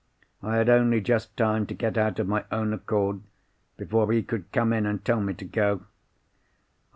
I had only just time to get out of my own accord, before he could come in and tell me to go.